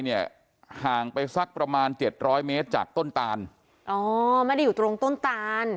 ห่างไปสักประมาณเจ็ดร้อยเมตรจากต้นตานอ๋อไม่ได้อยู่ตรงต้นตาน